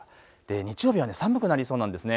日曜日は寒くなりそうなんですね。